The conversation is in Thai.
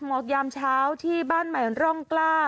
หมอกยามเช้าที่บ้านใหม่ร่องกล้า